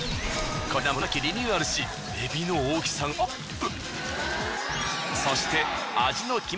こちらもこの秋リニューアルしエビの大きさがアップ。